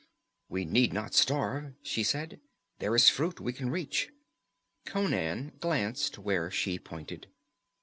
"We need not starve," she said. "There is fruit we can reach." Conan glanced where she pointed.